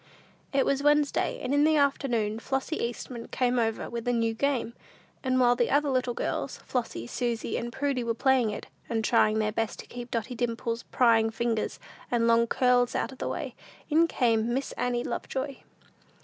It was Wednesday; and in the afternoon, Flossy Eastman came over with a new game, and while the little girls, Flossy, Susy and Prudy were playing it, and trying their best to keep Dotty Dimple's prying fingers and long curls out of the way, in came Miss Annie Lovejoy.